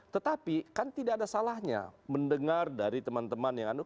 tetapi kan tidak ada salahnya mendengar dari teman teman yang anu